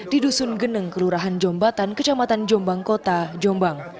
di dusun geneng kelurahan jombatan kecamatan jombang kota jombang